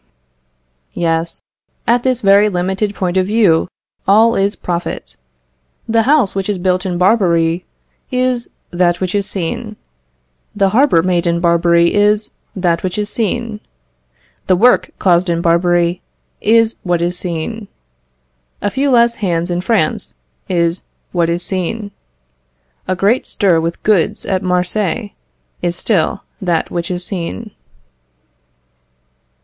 Yes, at this limited point of view, all is profit. The house which is built in Barbary is that which is seen; the harbour made in Barbary is that which is seen; the work caused in Barbary is what is seen; a few less hands in France is what is seen; a great stir with goods at Marseilles is still that which is seen.